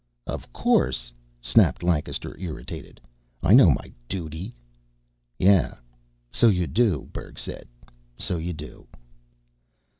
"Of course," snapped Lancaster, irritated. "I know my duty." "Yeah, so you do." Berg sighed. "So you do."